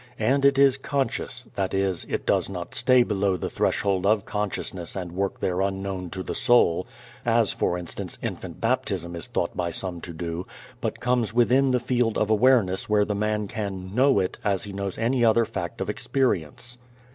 And it is conscious: that is, it does not stay below the threshold of consciousness and work there unknown to the soul (as, for instance, infant baptism is thought by some to do), but comes within the field of awareness where the man can "know" it as he knows any other fact of experience.